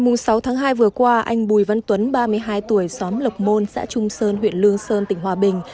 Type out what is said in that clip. ngày sáu tháng hai vừa qua anh bùi văn tuấn ba mươi hai tuổi xóm lộc môn xã trung sơn huyện lương sơn tỉnh hòa bình